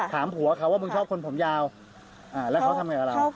ถามผัวเขาว่ามึงชอบคนผมยาวแล้วเขาทำไงกับเรา